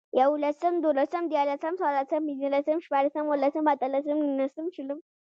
ېولسم، دولسم، ديارلسم، څوارلسم، پنځلسم، شپاړسم، اوولسم، اتلسم، نولسم، شلم